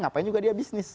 ngapain juga dia bisnis